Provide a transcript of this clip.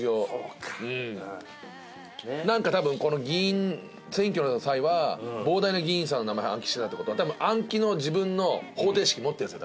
なんか多分議員選挙の際は膨大な議員さんの名前暗記してたって事は多分暗記の自分の方程式持ってるんですよ。